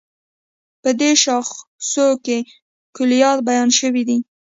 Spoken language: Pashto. په دې شاخصو کې کُليات بیان شوي دي.